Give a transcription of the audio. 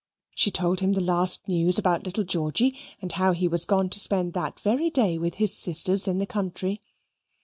She told him the last news about little Georgy, and how he was gone to spend that very day with his sisters in the country.